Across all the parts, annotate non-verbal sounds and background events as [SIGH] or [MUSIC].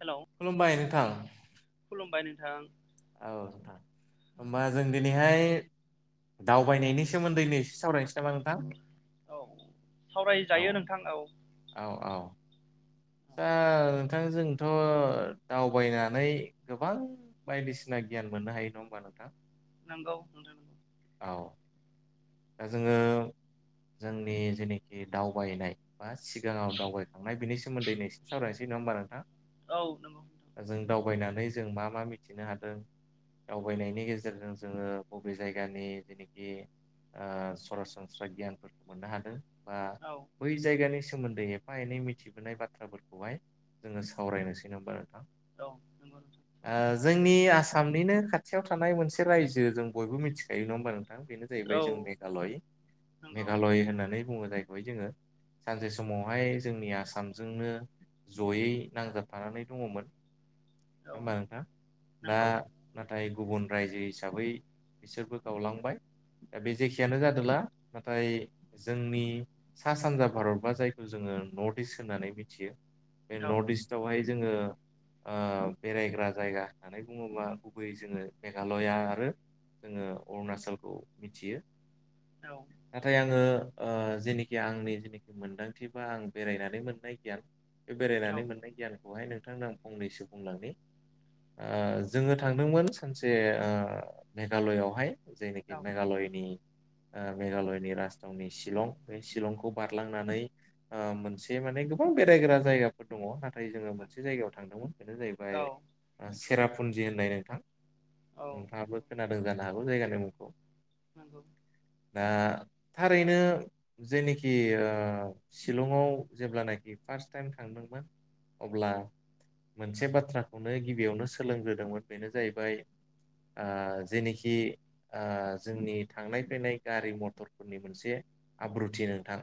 Hello खुलुमबाय नोंथां। खुलुमबाय नोंथां औ नोंथां होमबा जों दिनैहाय दावबायनायनि सोमोन्दै एसे सावरायनोसै नामा नोंथां? औ औ सावरायजायो नोंथां औ औ औ दा नोंथां जोंथ' दावबायनानै गोबां बायदिसिना गियान मोननो हायो नङा होमबा नोंथां। नंगौ नोंथां। औ दा जोङो जोंनि जेनोखि दावबायनाय बा सिगाङाव दावबायखांनाय बिनि सोमोन्दैनो एसे सावरायनोसै हमबा नोंथां औ नंगौ। थगायनानै जों मा मा मिथिनो हादों दावबायनायनि गेजेरजों जोङो बबे जायगानि जेनोखि ओ सरासनस्रा गियानफोरखौ मोननो हादों बा औ बै जायगानि सोमोन्दै एफा एनै मिथिबोनाय बाथ्राफोरखौहाय जोङो सावरायनोसै नामा ओ औ नंगौ नोंथां सावरायजायो जोंनि आसाम आसामनिनो खाथियाव थानाय मोनसे रायजो जों बयबो मिथिखायो नङा हमबा नोंथां बे जाहैबाय औ जों मेघालय नंगौ मेघालय होननानै बुङो जायखौहाय जोङो सानसे समावहाय जोंनि आसामजोंनो जयै नांजाबफानानै दङ'मोन। औ होमबा नोंथां दा नंगौ नाथाय गुबुन रायजो हिसाबै बिसोरबो गावलांबाय दा बे जेखियानो जादोला नाथाय जोंनि सा सानजा भारत बा जायखौ ज जोङो नर्थइस्ट होननानै मिथियो बे औ नर्थइस्ट आवहाय जोङो बेरायग्रा जायगा होननानै बुङोबा गुबैयै जोङो मेघालया आरो जोङो अरुणाचलखौ मिथियो औ नाथाय आङो ओ जेनिखि आंनि जेनाखि मोन्दांथिफोरा आं बेरायनानै मोननाय गियान बे औ बेरायनानै मोननाय गियानखौहाय नोंथांनो आं फंनैसो बुंलांनि ओ जोङो थांदोंमोन सानसे ओ मेघालयआवहाय बे मेघालयनि [INAUDIBLE] ओ मेघालयनि राजथावनि शिलं बे शिलंखौ बारलांनानै मोनसे माने गोबां बेरायग्रा जायगाफोर दङ नाथाय जोङो मोनसे जायगायाव थांदोंमोन बेनो औ जाहैबाय सेरापुन्जि होननाय नोंथां औ नोंथाङाबो खोनादों जानो हागौ जायगानि मुंखौ नंगौ दा थारैनो जेनिखि शिलंआव जेब्लानाखि फार्स्ट टाइम थांदोंमोन अब्ला मोनसे बाथ्राखौनो गिबियावनो सोलोंग्रोदोंमोन बेनो जाहैबाय ओ जेनोखि ओ जोंनि थांनाय फैनाय गारि मथरफोरनि मोनसे आब्रुथि नोंथां।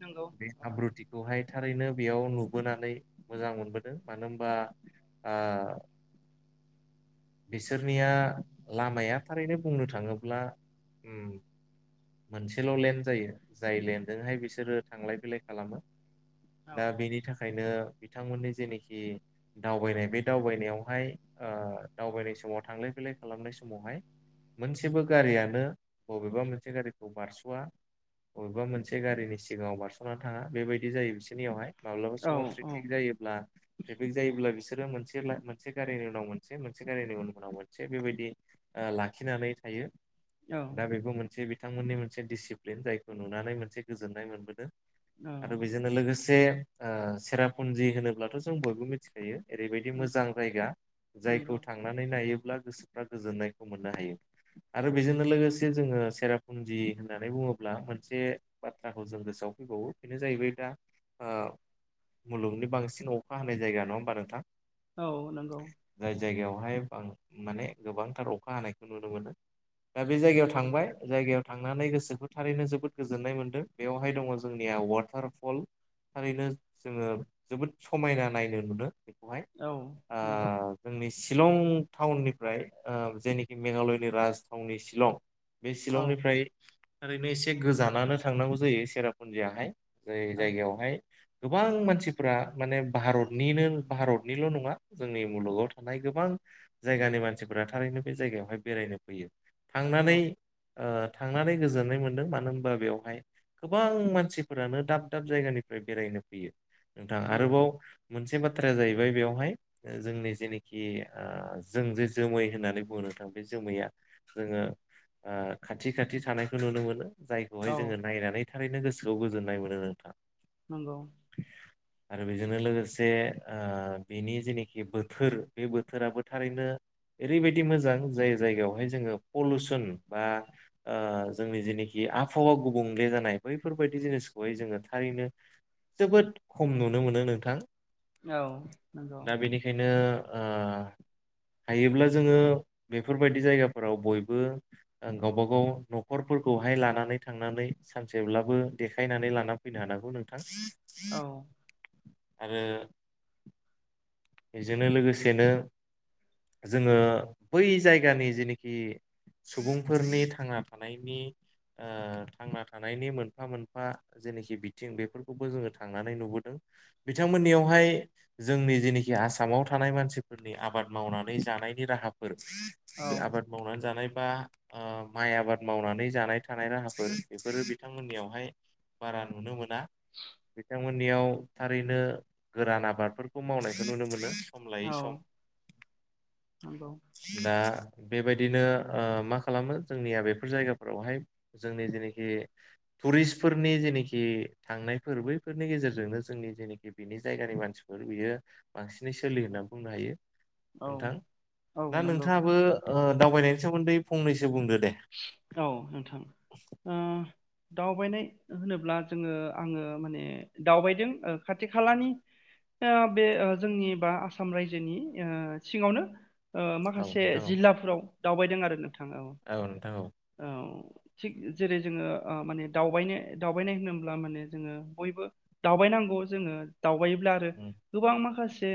नंगौ बे औ आब्रुथिखौहाय थारैनो बेयाव नुबोनानै मोजां मोनबोदों मानो होनबा ओ बिसोरनिया लामाया थारैनो बुंनो थाङोब्ला उम मोनसेल' लेन्ड जायो जाय लेन्डजोंहाय बिसोरो थांलाय फैलाय खालामो औ दा बेनि थाखायनो बिथांमोननि जेनोखि दावबायनाय बे दावबायनायावहाय दावबायनाय समाव थांलाय फैल बिलइ खालामनाय समावहाय मोनसेबो गारियानो बबेबा मोनसे गारिखौ बारस'वा बबेबा मोनसे गारिनि सिगाङाव बारस'ना थाङा बेबायदि जायो बिसोरनियावहाय माब्लाबा औ समाव ट्रेफिक जायोब्ला ट्रेफिक जायोब्ला बिसोर बिसोरो मोनसे गारिनि उनाव मोनसे गारिनि उनाव मोनसे बेबायदि ला लाखिनानै थायो औ दा बेखौ मोनसे बिथांमोननि मोनसे डिसिप्लिन जायखौ नुनानै मोनसे गोजोननाय मोनबोदों आरो बेजोंनो लोगोसे े सेरापुन्जि होनोब्लाथ जों बयबो मिथिखायो ओरैबायदि मोजां जायगा जायखौ नंगौ थांनानै नायोब्ला गोसोफ्रा गोजोननायखौ मोनो नोहायो आरो बेजोंनो लोगोसे जोङो सेरापुन्जि होननानै बुङोब्ला मोनसे बाथ्राखौ जों गोसोआव फैबावो बेनो जाहैबाय दा ओ मुलुगनि बांसिन अखा हानाय जायगा नङा होमबा नोंथां औ नंगौ जाय जायगायावहाय माने गोबांथार अखा हानायखौ नुनो मोनो दा बे जायगायाव थांबाय जायगायाव थांनानै गोसोखौ थारैनो जोबोद गोजोननाय मोनदों बेवहाय दङ जोंनिया वाटारफल थारैनो जोङो जोबोद समायना नायनो मोनो बेखौहाय औ नंगौ ओ जोंनि शिलं टाउननिफ्राय ओ जेने मेघालयनि राजथावनि शिलं बे औ शिलंनिफ्राय ओरैनो एसे गोजानानो थांनांगौ जायो सेरापुन्जियाहाय जाय औ जायगायावहाय गोबां मानसिफ्रा माने भारतनिनो भारतनिल नङा जोंनि मुलुगाव थानाय गोबां जायगानि मानसिफोरा थारैनो बे जायगायावहाय बेरायनो फैयो थांनानै ओ थांनानै गोजोननाय मोन्दों मानो होनबा बेवहाय गोबां मानसिफोरानो दाब दाब जायगानिफ्राय बेरायनो फैयो नोंथां नंगौ आरोबाव मोनसे बाथ्राया जाहैबाय बेयावहाय जोंनि जेनाखि ओ जों जे जोमै होननानै बोनो थां बे जोमैया जोङो खाथि खाथि थानायखौ नुनो मोनो जायखौहाय औ जोङो नायनानै थारैनो गोसोआव गोजोननाय मोनो नोंथां नंगौ आरो बेजोंनो लोगोसे ओ बेनि जेनाखि बोथोर बे बोथोराबो थारैनो एरैबाय मोजां जाय जायगायावहाय जोङो पलैसीन बा जोंनि जेनोखि आबहावा गुबुंले जानाय बैफोरबायदि जिनिसखौहाय जोङो थारैनो जोबोद खम नुनो मोनो नोंथां औ नंगौ दा बेनिखायनो ओ हायोब्ला जोङो बेफोरबायदि जायगाफोराव बयबो गावबा गाव न'खरफोरखौहाय लानानै थांनानै सानसेब्लाबो देखायनानै लाना फैनो हानांगौ नोंथां औ आरो बेजोंनो लोगोसेनो जोङो बै जायगानि जेनोखि सुबुंफोरनि थांना थानायनि ओ थांना थानायनि मोनफा मोनफा जेनोखि बिथिं बेफोरखौबो जोङो थांनानै नुबोदों बिथांमोननियावहाय जोंनि जेनेखि आसामाव थानाय मानसिफोरनि आबाद मावनानै जानायनि राहाफोर बे औ आबाद मावनानै जानाय बा माइ आबाद मावनानै जानाय थानाय राहाफोर बेफोरो बिथांमोननियावहाय बारा नुनो मोनो थाङा बिथांमोननियाव थारैनो गोरान आबादफोरखौ मावनायखौ नुनो मोनो सम लायै सम औ दा [INAUDIBLE] बेबायदिनो ओ मा खालामो जोंनिया बेफोर जायगाफोरावहाय जोंनि जेनोखि टुरिस्टफोरनि जेनाखि थांनायफोर बैफोरनि गेजेरजोंनो जोंनि जेनोखि बेनि जायगानि मानसि सिफोर बियो बांसिनै सोलियो होनना बुंनो हायो औ नोंथां औ ना नंगौ नोंथाङाबो ओ दावबायनायनि सोमोन्दै फंनैसो बुंदो दे औ नोंथां ओ दावबायनाय होनोब्ला जोङो आङो ओ माने दावबायदों खाथि खालानि [INAUDIBLE] बे ओ जोंनि बा आसाम रायजोनि ओ सिङावनो ओ औ माखासे नोंथां औ जिल्लाफोराव दावबायदों आरो नोंथाङ औ औ नोंथां औ थिग जेरै जोङो ओ माने दावबायनो दावबायनाय होनोब्ला माने जोङो बयबो दावबायनांगौ जोङो दावबायोब्ला आरो उम गोबां माखासे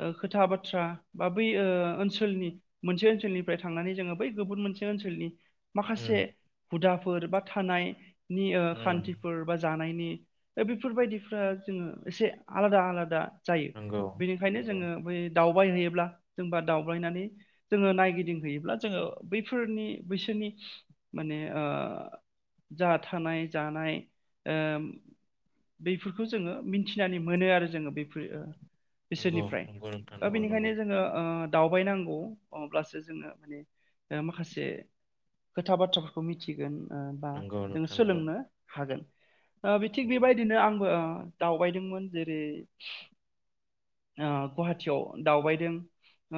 ओ खोथा बाथ्रा बा बै ओ ओनसोलनि मोनसे ओनसोलनिफ्राय थांनानै जोङो बै गुबुन मोनसे ओनसोलनि माखासे उम हुदाफोर बा थानाय नि ओ उम खान्थिफोर बा जानाय नि दा बेफोरबायदिफ्रा जोङो एसे आलादा आलादा जायो नंगौ बेनिखायनो नंगौ जोङो बै दाउ दावबाय होयोब्ला जों बा दावबायनानौ जोंओ नायगिदिंहौयोब्ला जोङो फोरनि बैसोरनि माने ओ जा थानाय जानाय ओ बैफोरखौ जोङो मिथिनानै मोनो आरो जोङो बैफोर ओ नंगौ बिसोरनिफ्राय नंगौ नोंथां दा नंगौ नंगौ बेनिखायनो जोङो ओ दावबायनांगौ अब्लासो जोङो माने ओ माखासे खोथा बाथ्राफोरखौ मिथिगोन बा नंगौ जोङो नोंथां नंगौ सोलोंनो हागोन ओ बि थिग नंगौ बेबायदिनो आंबो दावबायदोंमोन जेरै ओ गुवाहाटियाव दावबायदों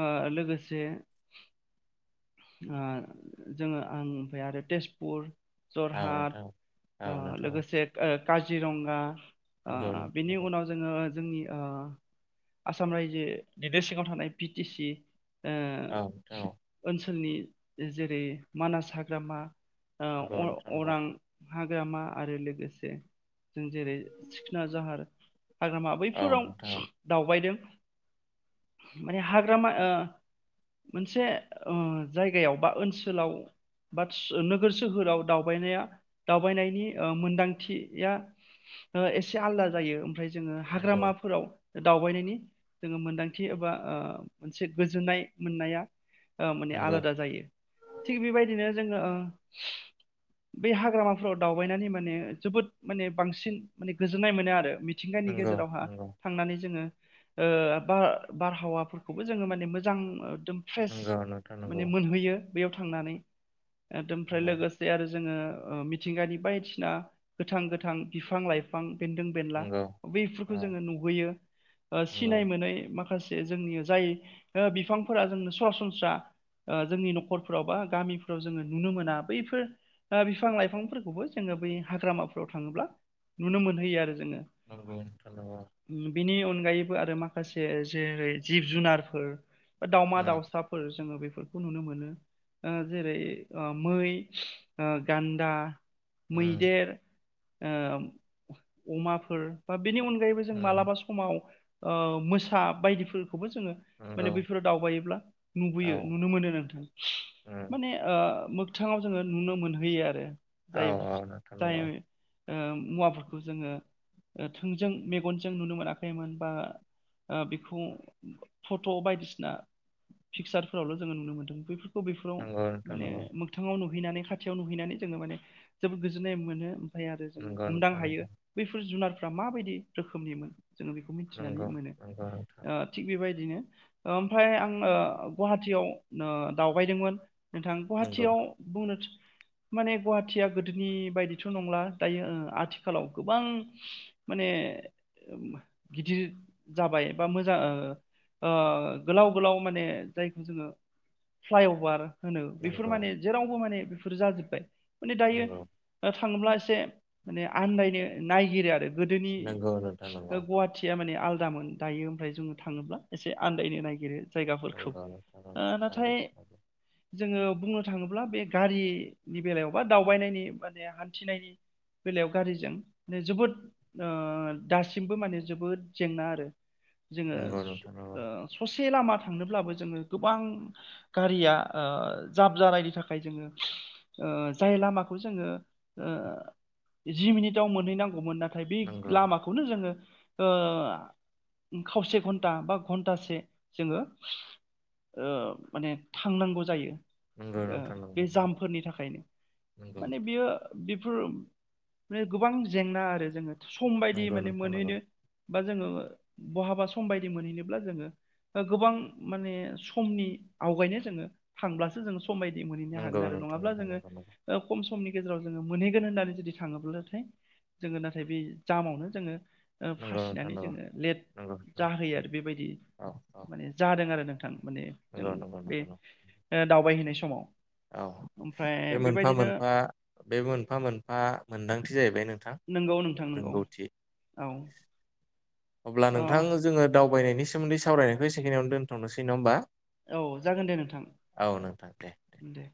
ओ लोगोसे ओ जोङो ओ ओमफ्राय आरो तेजपुर औ नोंथां जरहाट औ ओ औ नोंथां औ लोगोसे ओ काजिरंगा ओ नंगौ नोंथां बिनि नंगौ उनाव जोङो जोंनि ओ आसाम रायजो निनो सिङाव थानाय बि टि सि ओ औ औ ओनसोलनि जेरै मानास हाग्रामा नंगौ नोंथां नंगौ अरां हाग्रामा आरो लोगोसे जों जेरै सिखोना जाहार हाग्रामा औ बैफोराव नोंथां औ दावबायदों माने हाग्रामा ओ मोनसे उम जायगायाव बा ओनसोलाव बादस नोगोर सोहोराव दावबायनाया दावबायनायनि मोनदांथिया ओ एसे आलादा जायो ओमफ्राय जोङो नंगौ हाग्रामाफोराव दावबायनायनि जोङो मोनदांथि एबा ओ मोनसे गोजोननाय मोननाया ओ माने नंगौ आलादा जायो बै हाग्रामाफोराव दावबायनानै माने जोबोद माने बांसिन माने गोजोननाय मोनो आरो मि मिथिंगानि नंगौ गेजेरावहा नंगौ थांनानै जोङो ओ बा बारहावाफोरखौबो जोङो माने मोजां एकदम फ्रेस नंगौ नोंथां नंगौ माने मोनहैयो बैयाव थांनानै ओमफ्राय लोगोसे आरो जोङो ओ मिथिंगानि बायदिसिना गोथां गोथां बिफां लाइफां बेन्दों बेला नंगौ नंगौ बेफोरखौ औ जोङो नुहैयो ओ नंगौ सिनाय मोनै माखासे जोंनि जाय बिफांफोरा जोंनो सरासनस्रा ओ जोंनि न'खरफोराव बा गामिफोराव जोङो नुनो मोना बैफोर बिफां लाइफांफोरखौबो जोङो बै हाग्रामाफोराव थाङोब्ला नुनो मोनहैयो आरो। जोङो नंगौ थार नंगौ। बिनि अनगायैबो आरो माखासे जेरै जिब जुनारफोर बा नंगौ दाावमा उम दाउसाफोर जोङो बेफोरखौ नुनो मोनो जेरै- मै, गान्दा,, उम मैदेर ओ अमाफोर बा बेनि अनगायैबो जों मालाबा समाव ओ मोसा बायदिफोर खौबो जोङो माने नंगौ बैफोराव दावबायोब्ला औ नुबोयो। नुनो मोनो नोंथां उम माने मोगथाङाव जोङो नुनो मोनहोयो आरो औ जाय औ नोंथां जाय नंगौ मुवाफोरखौ जोङो- थोंजों मेगनजों नुनो मोनाखैमोन बा- बेखौ फट' बायदिसिना पिकसार आवल' जोङो नुनो मोनदों बैफोरखौ बफोराव नंगौ नोंथां माने नंगौ मोगथाङाव नु नुहैनानै खाथियाव नुहैनानै जोङो माने जोबोद गोजोननाय मोनो। नाथाय आरो जोङो नंगौ हमदां नोंथां हायो नंगौ बैफोर जुनारफ्रा माबायदि रोखोमनिमोन जों बेखौ मिथिनानै नंगौ मोनो नंगौ नोंथां ओ थिग बेबायदि बिनो ओमफ्राय आं ओ गुवाहाटियाव दावबायदोंमोन। नोंथां नंगौ गुवाहाटियाव बुंनो माने गुवाहाटिया गोदोनि बायदिथ' नंला दायो आथिखालाव गोबां माने गिदिर जाबाय बा मोजां ओ ओ गोलाव गोलाव माने जायखौ जोङो फ्लाइअभार होनो बेफोर नंगौ माने जेरावबो माने बेफोर जाजोब्बाय।। माने दायो नंगौ थाङोब्ला एसे माने आन्दायनो नायगिरो आरो। गोदोनि नंगौ नोंथां नंगौ गुवाहाटिया माने माने आलादामोन दायो ओमफ्राय जोङो थाङोब्ला एसे आन्दायनो नागिरो जायगाफोरखौ। नंगौ नोंथां नंगौ ओ नंगौ नाथाय जोङो बुंनो थाङोब्ला बे गारिनि बेलायाव बा दावबायनायनि माने हान्थिनायनि बेलायाव गारिजों माने जोबोद दासिमबो माने जोबोद जेंना आरो जोङो नंगौ नोंथां नंगौ ओ ससे लामा थांनोब्लाबो जोङो गोबां गारिया जाब जानायनि थाखाय जोङो ओ जाय लामाखौ जोङो ओ जि मिनिटाव मोनहैनांगौमोन नाथाय नाथाय बे नंगौ लामाखौनो जोङो ओ खावसे घन्टा बा घन्टासे जोङो ओ माने थांनांगौ जायो। नंगौ नोंथां नंगौ बे जामफोरनि थाखायनो नंगौ नंगौ माने बियो बेफोर गोबां जेंना आरो जोङो सम बायदि नंगौ माने नोंथां नंगौ मोनहैनो बा जोङो बहाबा सम बायदि मोनहैनोब्ला जोङो गोबां माने समनि आवगायनो जोङो थांब्लासो जोङो यदि नंगौ मोनहैनो आरो नोंथां नङाब्ला नंगौ जोङो नंगौ नंगौ खम समनि गेजेराव जोङो मोनहैगोन होननानै जुदि थाङोब्लाथाय जोङो नाथाय बे जामावनो जोङो नंगौ नोंथां फासिनानै जोङो लेट नंगौ नंगौ जाहोयो आरो नंगौ बेबायदि औ औ माने जादों आरो नों माने जों नंगौ नंगौ बे नंगौ नंगौ दावबायहैनाय समाव औ ओमफ्राय बे मोनफा बेबायदिनो मोनफा बे मोनफा मोनफा मोनदांथि जाहैबाय नो नंगौ नोंथां नंगौ औ। अब्ला नोंथां अ जोङो दावबायनायनि सोमोन्दै सावरायनायखौ एसेखिनिआवनो दोन्थ'नोसै नङा होमबा। औ जागोन दे नोंथां औ नोंथां दे दे।